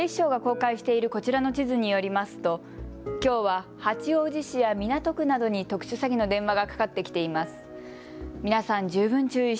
警視庁が公開しているこちらの地図によりますときょうは八王子市や港区などに特殊詐欺の電話がかかってきています。